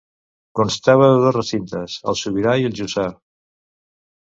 Constava de dos recintes, el sobirà i el jussà.